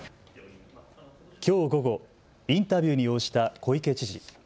きょう午後、インタビューに応じた小池知事。